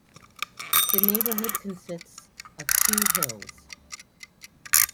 The neighbourhood consists of two hills.